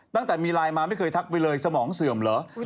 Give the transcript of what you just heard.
ตั้งแต่มีไลน์มาไม่เคยทักไปเลยสมองเสื่อมเหรอ